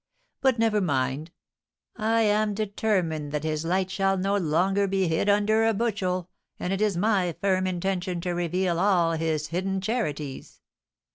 But never mind, I am determined that his light shall no longer be hid under a bushel, and it is my firm intention to reveal all his hidden charities.